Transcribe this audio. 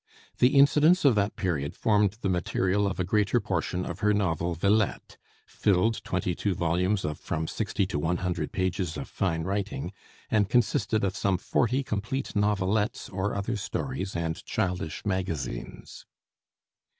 The incidents of that period formed the material of a greater portion of her novel 'Villette,' filled twenty two volumes of from sixty to one hundred pages of fine writing, and consisted of some forty complete novelettes or other stories and childish "magazines."